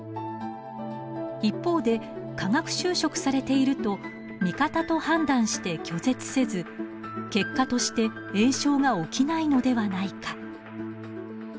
一方で化学修飾されていると味方と判断して拒絶せず結果として炎症が起きないのではないか。